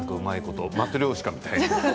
マトリョーシカみたいに。